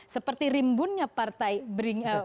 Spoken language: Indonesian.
seperti rimbunnya pohon beringin